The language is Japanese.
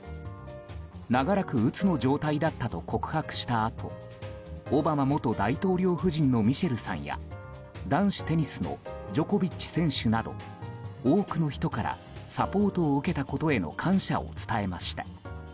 長らくうつの状態だったと告白したあとオバマ元大統領夫人のミシェルさんや男子テニスのジョコビッチ選手など多くの人からサポート受けたことへの感謝を伝えました。